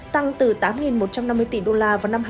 tăng từ tám một trăm năm mươi tỷ đô la vào năm hai nghìn hai mươi